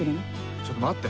ちょっと待って。